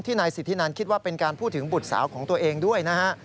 นายสิทธินันคิดว่าเป็นการพูดถึงบุตรสาวของตัวเองด้วยนะฮะ